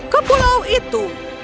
ke pulau itu